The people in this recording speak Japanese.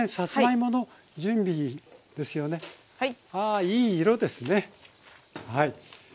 あいい色ですねはい。